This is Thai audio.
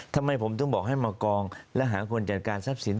ทำไมผมถึงบอกให้มากองและหาคนจัดการทรัพย์สิน